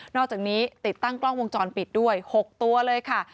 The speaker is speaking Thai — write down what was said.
อกจากนี้ติดตั้งกล้องวงจรปิดด้วย๖ตัวเลยค่ะ